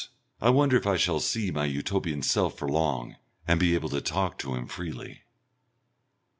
I wonder if I shall see my Utopian self for long and be able to talk to him freely....